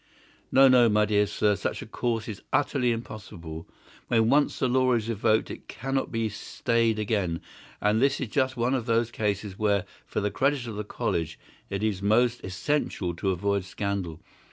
"No, no, my dear sir; such a course is utterly impossible. When once the law is evoked it cannot be stayed again, and this is just one of those cases where, for the credit of the college, it is most essential to avoid scandal.